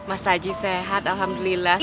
mas saji sehat alhamdulillah